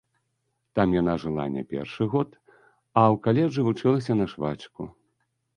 Там яна жыла не першы год, а ў каледжы вучылася на швачку.